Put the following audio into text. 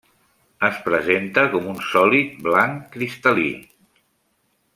Es presenta com un sòlid blanc cristal·lí.